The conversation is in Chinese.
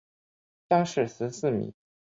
乡试十四名。